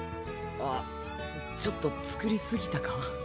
あっちょっと作りすぎたか？